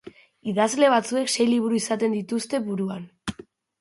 Idazle batzuek sei liburu izaten dituzte buruan.